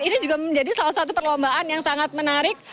ini juga menjadi salah satu perlombaan yang sangat menarik